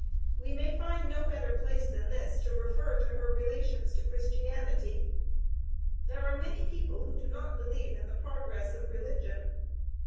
'" We may find no better place than this to refer to her relations to Christianity. There are many people who do not believe in the progress of religion.